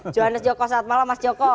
johannes joko selamat malam mas joko